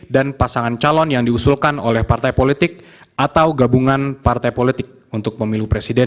dan pasangan calon yang diusulkan oleh partai politik atau gabungan partai politik untuk pemilu presiden